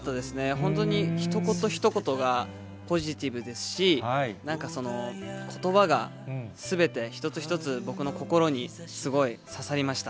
本当にひと言ひと言がポジティブですし、なんか、ことばがすべて一つ一つ、僕の心にすごい刺さりました。